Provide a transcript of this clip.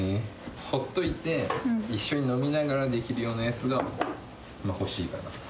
ほっといて、一緒に飲みながらできるようなやつが欲しいかな。